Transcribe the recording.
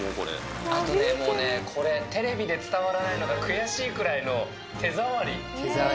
あとね、これテレビで伝わらないのが悔しいくらいの手触り。